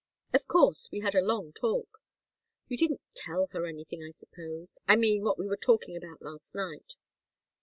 "Of course. We had a long talk." "You didn't tell her anything, I suppose? I mean, what we were talking about last night?"